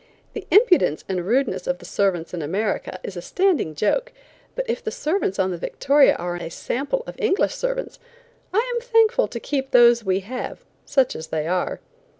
The impudence and rudeness of the servants in America is a standing joke, but if the servants on the Victoria are a sample of English servants, I am thankful to keep those we have, such as they are.